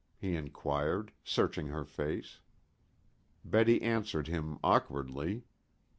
he inquired, searching her face. Betty answered him awkwardly.